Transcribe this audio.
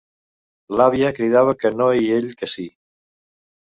L'àvia cridava que no i ell que sí.